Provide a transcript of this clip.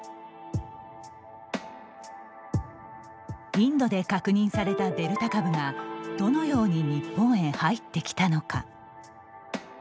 インドで確認されたデルタ株がどのように日本へ入ってきたのか。